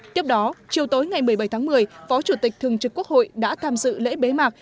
tiếp đó chiều tối ngày một mươi bảy tháng một mươi phó chủ tịch thường trực quốc hội đã tham dự lễ bế mạc